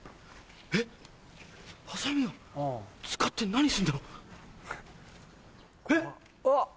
えっハサミを使って何すんだろ？えっ？あっ。